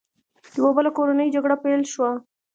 یوه بله کورنۍ جګړه پیل شوه.